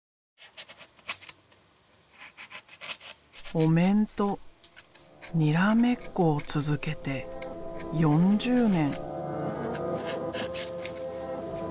お面とにらめっこを続けて４０年。